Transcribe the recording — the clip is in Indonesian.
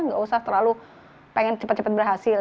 nggak usah terlalu pengen cepat cepat berhasil